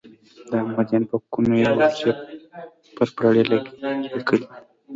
د عامو بندیانو په حقوقو یې اوږدې پرپړې لیکلې.